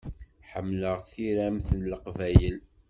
Ḥemmleɣ tiram n Leqbayel.